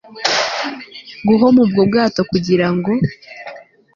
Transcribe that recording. guhoma ubwo bwato kugira ngo